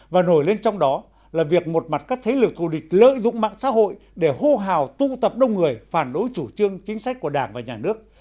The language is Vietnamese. và nổi lên trong đó là việc một mặt các thế lực thù địch lợi dụng mạng xã hội để hô hào tu tập đông người phản đối chủ trương chính sách của đảng và nhà nước